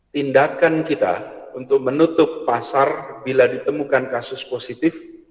tindakan kita untuk menutup pasar bila ditemukan kasus positif